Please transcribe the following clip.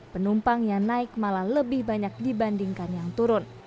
penumpang yang naik malah lebih banyak dibandingkan yang turun